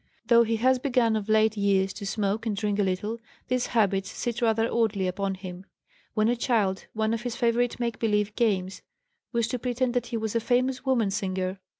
Though he has begun of late years to smoke and drink a little, these habits sit rather oddly upon him. When a child, one of his favorite make believe games was to pretend that he was a famous woman singer.